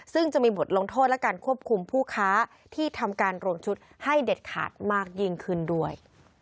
ซึ่งจะมีบทลงโทษและการควบคุมผู้ค้าที่ทำการรวมชุดให้เด็ดขาดมากยิ่งขึ้นด้วย